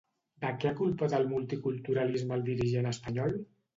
De què ha culpat al multiculturalisme el dirigent espanyol?